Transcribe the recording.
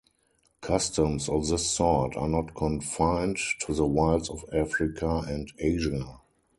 Customs of this sort are not confined to the wilds of Africa and Asia.